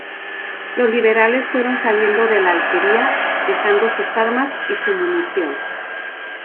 Los liberales fueron saliendo de la alquería, dejando sus armas y su munición.